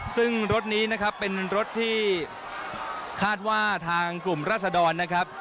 ซึ่งรถนี้นะครับเป็นรถที่คาดว่าทางกลุ่มราศดรนะครับ